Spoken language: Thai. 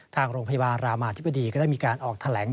ทางโรงพยาบาลรามาธิบดีก็ได้มีการออกแถลง